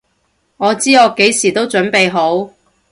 我知我幾時都準備好！